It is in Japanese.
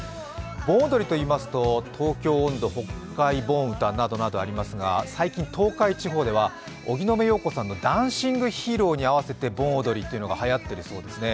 盆踊りといいますと、東京音頭、北海盆歌などがありますが最近東海地方では荻野目洋子さんの「ダンシング・ヒーロー」に合わせて盆踊りがはやっているそうです。